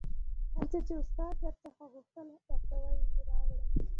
هر څه چې استاد در څخه غوښتل ورته یې راوړه